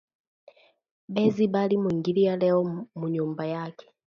Bezi bali mwingilia leo munyumba yake